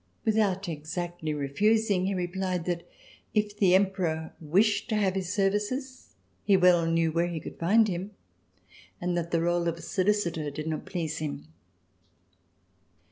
Without ex actly refusing, he replied that if the Emperor wished to have his services, he well knew where he could find him and that the role of solicitor did not please him.